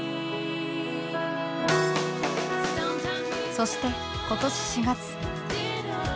そして今年４月。